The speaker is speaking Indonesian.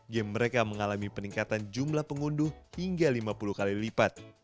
game mereka mengalami peningkatan jumlah pengunduh hingga lima puluh kali lipat